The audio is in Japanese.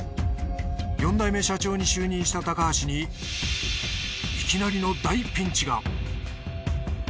４代目社長に就任した高橋にいきなりの大ピンチが。